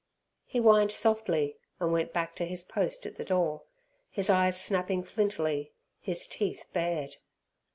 He whined softly and went back to his post at the door, his eyes snapping flintily, his teeth bared.